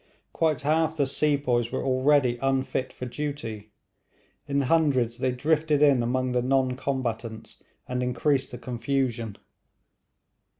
Quite half the sepoys were already unfit for duty; in hundreds they drifted in among the non combatants and increased the confusion.